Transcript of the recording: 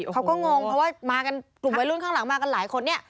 เขาก็งงเพราะว่ามากันกลุ่มวัยรุ่นข้างหลังมากันหลายคนเนี่ย